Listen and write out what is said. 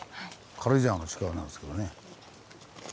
軽井沢の近くなんですけどね。